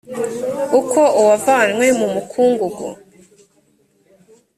uko uwavanywe mu mukungugu